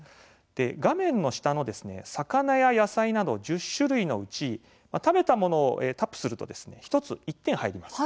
画面の下の「さかな」や「やさい」など１０種類のうち食べたものをタップすると１つ１点入ります。